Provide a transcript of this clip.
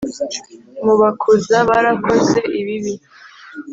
mubakuza barakoze ibibi